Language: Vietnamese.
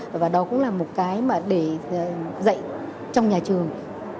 và đó cũng là một cái mà để dạy trong nhà trường